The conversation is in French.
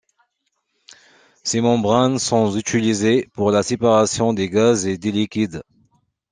Ces membranes sont utilisées pour la séparation des gaz et des liquides.